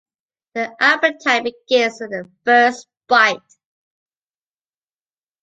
The appetite begins with a first bite.